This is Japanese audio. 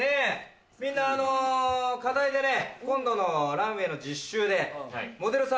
みんな課題で今度のランウェイの実習で。